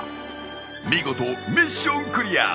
見事ミッションクリア。